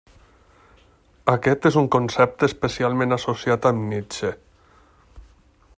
Aquest és un concepte especialment associat amb Nietzsche.